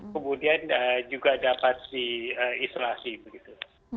kemudian juga dapat diisolasi begitu